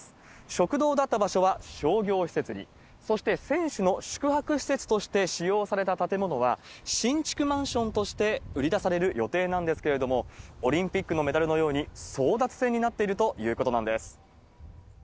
食堂だった場所は商業施設に、そして、選手の宿泊施設として使用された建物は新築マンションとして売り出される予定なんですけれども、オリンピックのメダルのように争奪戦になっているということなんです。